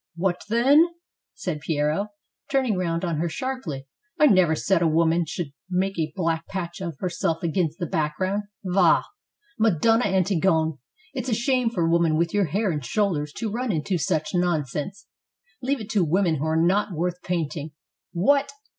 "What, then?" said Piero, turning round on her sharply. "I never said a woman should make a black patch of herself against the background. Val Madonna Antigone, it's a shame for a woman with your hair and shoulders to run into such nonsense, — leave it to wo men who are not worth painting. What!